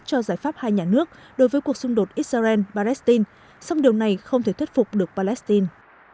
cho giải pháp hai nhà nước đối với cuộc xung đột israel palestine song điều này không thể thuyết phục được palestine